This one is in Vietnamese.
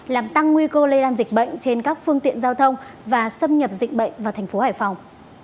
làm tăng nguy cơ lây lan dịch bệnh trên các phương tiện giao thông và xâm nhập dịch bệnh vào thành phố hải phòng